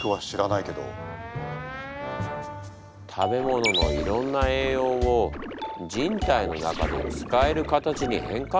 食べ物のいろんな栄養を人体の中で使える形に変換してるでしょ。